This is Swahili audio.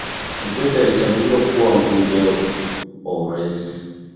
kikwete alichaguliwa kuwa mgombea wa uraisi